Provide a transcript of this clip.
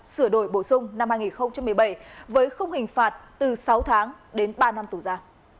sửa đổi bổ sung năm hai nghìn một mươi bảy với không hình phạt từ sáu tháng đến ba năm tù ra